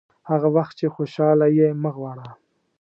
هغه وخت چې خوشاله یې مه غواړه.